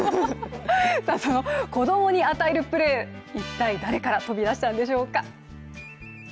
その子供に与えるプレー一体誰から飛び出したんでしょうか。